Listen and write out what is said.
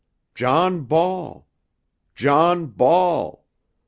John Ball! John Ball!"